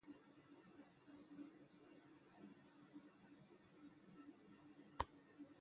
Ke abaña idịb akpanadiama ye akamba awo ke ekpri sais.